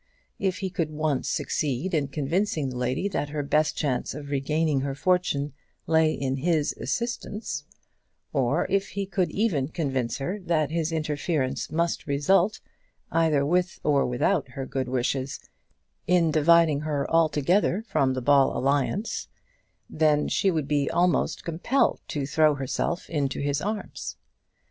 If he could once succeed in convincing the lady that her best chance of regaining her fortune lay in his assistance, or if he could even convince her that his interference must result, either with or without her good wishes, in dividing her altogether from the Ball alliance, then she would be almost compelled to throw herself into his arms.